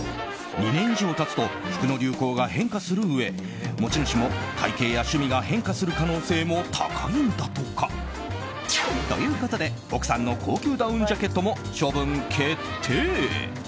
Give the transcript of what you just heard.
２年以上経つと服の流行が変化するうえ持ち主も、体形や趣味が変化する可能性も高いんだとか。ということで、奥さんの高級ダウンジャケットも処分決定。